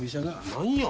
何や。